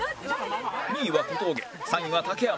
２位は小峠３位は竹山